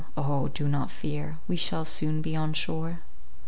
O, do not fear, we shall soon be on shore!"